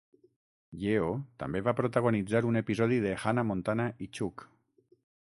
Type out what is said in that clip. Yeo també va protagonitzar un episodi de "Hannah Montana i Chuck".